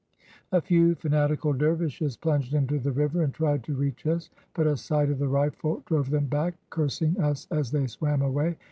"A few fanatical dervishes plunged into the river and tried to reach us, but a sight of the rifle drove them back, cursing us as they swam away.